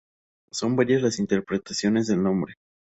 Son varias las interpretaciones del nombre.